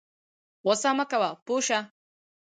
غوسه مه کوه پوه شه